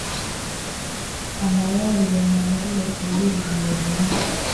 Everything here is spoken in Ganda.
Amalwaliro maggule eri buli omu.